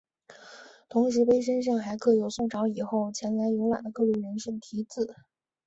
同时碑身上还刻有宋朝以后前来游览的各路人士的题字。